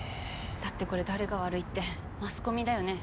だってこれ誰が悪いってマスコミだよね